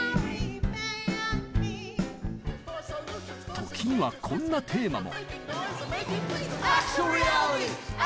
時にはこんなテーマも。